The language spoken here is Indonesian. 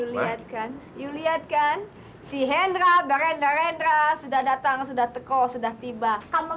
lihatkan lihatkan si hendra berendah endah sudah datang sudah teko sudah tiba kamu